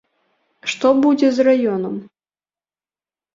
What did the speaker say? Што будзе з раёнам?